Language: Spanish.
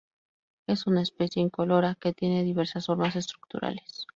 Es una especie incolora que tiene diversas formas estructurales.